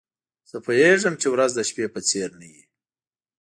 زه پوهیږم چي ورځ د شپې په څېر نه وي.